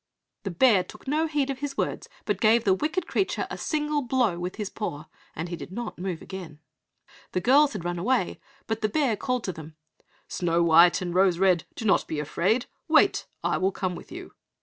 The bear took no heed of his words, but gave the wicked creature a single blow with his paw, and he did not move again. The girls had run away, but the bear called to them, "Snow white and Rose red, do not be afraid; wait, I will come with you."